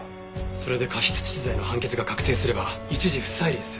それで過失致死罪の判決が確定すれば一事不再理です。